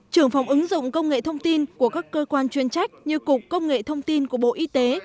trưởng phòng ứng dụng công nghệ thông tin của các cơ quan chuyên trách như cục công nghệ thông tin của bộ y tế